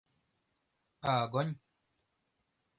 — Огонь!